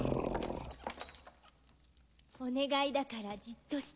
お願いだからじっとして。